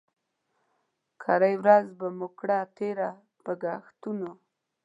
کرۍ ورځ به مو کړه تېره په ګښتونو